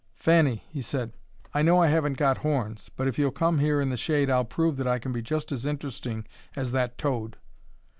"Fanny," he said, "I know I haven't got horns, but if you'll come here in the shade I'll prove that I can be just as interesting as that toad."